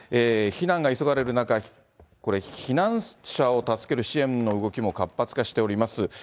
避難が急がれる中、これ、避難者を助ける支援の動きも活発化しております。